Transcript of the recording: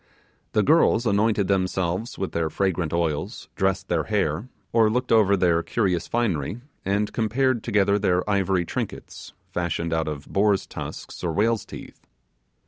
The girls anointed themselves with their fragrant oils, dressed their hair, or looked over their curious finery, and compared together their ivory trinkets, fashioned out of boar's tusks or whale's teeth.